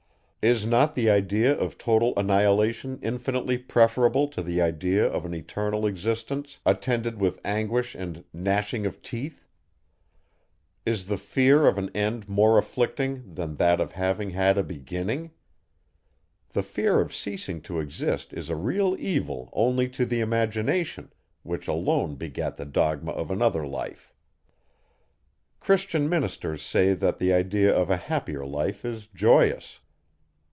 Is not the idea of total annihilation infinitely preferable to the idea of an eternal existence, attended with anguish and gnashing of teeth? Is the fear of an end more afflicting, than that of having had a beginning! The fear of ceasing to exist is a real evil only to the imagination, which alone begat the dogma of another life. Christian ministers say that the idea of a happier life is joyous.